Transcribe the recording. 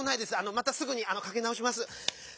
またすぐにかけなおします。